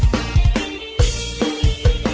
เป็นทุ่มที่๑นะคะ